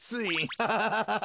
ハハハハハ。